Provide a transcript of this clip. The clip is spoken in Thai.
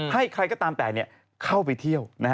ให้ใครจะตามแต่เนี่ยเข้าไปเที่ยวนะฮะ